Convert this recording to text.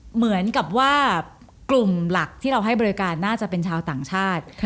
เหมือนกับว่ากลุ่มหลักที่เราให้บริการน่าจะเป็นชาวต่างชาติ